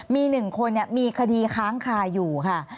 มี๑คนมีคดีค้างคาอยู่ค่ะ